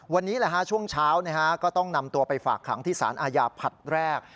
วันนี้ช่วงเช้าก็ต้องนำตัวไปฝากขังที่สารอาญาผลัดแรก